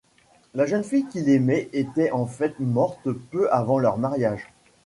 La jeune fille qu'il aimait était en fait morte peu avant leur mariage.